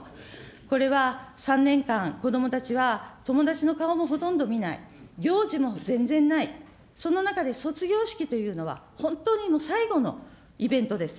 これは３年間、子どもたちは友達の顔もほとんど見ない、行事も全然ない、その中で卒業式というのは、本当に最後のイベントです。